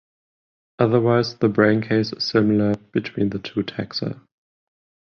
Otherwise the braincase is similar between the two taxa.